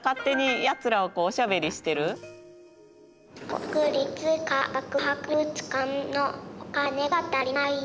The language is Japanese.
国立科学博物館のお金が足りないね。